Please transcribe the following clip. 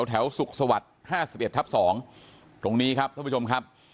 แถวสุขสวัสดิ์๕๑ทับ๒ตรงนี้ครับท่านผู้ชมครับ